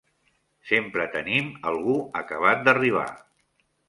Sempre tenim algú acabat d'arribar.